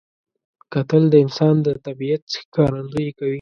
کتل د انسان د طبیعت ښکارندویي کوي